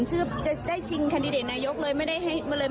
นึกว่าวันนี้พอเห็นชื่อจะได้ชิงคันดิเดตนายกเลยไม่ได้เห็นสัมภาษณ์